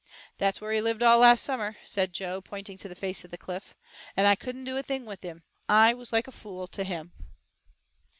"There's where he lived all last summer," said Joe, pointing to the face of the cliff, "and I couldn't do a thing with him. I was like a fool to him."